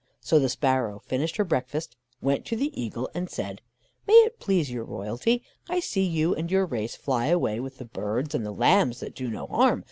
So the sparrow finished her breakfast, went to the eagle, and said: "'May it please your royalty, I see you and your race fly away with the birds and the lambs that do no harm.